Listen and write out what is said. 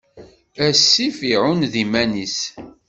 Asif iɛuned iman-is.